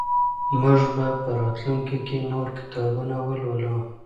موږ به په راتلونکي کي نور کتابونه ولولو.